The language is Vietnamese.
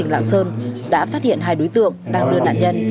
lạng sơn đã phát hiện hai đối tượng đang đưa nạn nhân